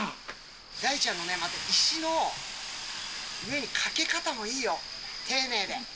大ちゃんのまた、石の上にかけ方もいいよ、丁寧で。